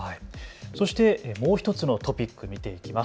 そしてもう１つのトピック、見ていきます。